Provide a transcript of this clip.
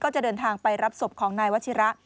จะเดินทางไปรับศพของนายวัชิระ